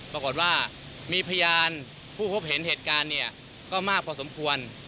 ปรากฏว่ามีพยานผู้พบเห็นเหตุการณ์เนี่ยก็มากพอสมควร